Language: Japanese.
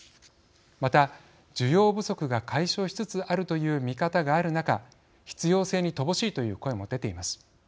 また、需要不足が解消しつつあるという見方がある中必要性に乏しいという声も出ています。